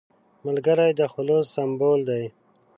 ملګری د خلوص سمبول دی